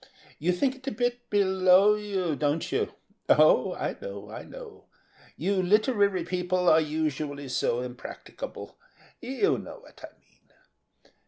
You think it a bit below you, don't you? Oh, I know, I know. You literary people are usually so impracticable; you know what I mean.